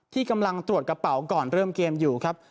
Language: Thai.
ที่กำลังตรวจกระเป๋าก่อนเริ่มเกมอยู่ครับ